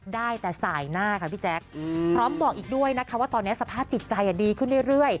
ได้แต่สายหน้าค่ะพี่แจ๊คพร้อมบอกอีกด้วยนะคะว่าตอนนี้สภาพจิตใจดีขึ้นเรื่อย